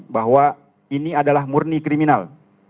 bahwa ini adalah murni kriminal